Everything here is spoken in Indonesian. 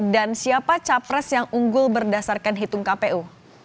dan siapa capres yang unggul berdasarkan hitung kpu